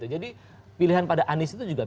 jadi pilihan pada anies itu juga